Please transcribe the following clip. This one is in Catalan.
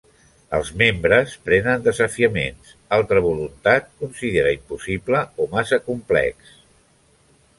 Els membres prenen desafiaments, altra voluntat considera impossible o massa complex.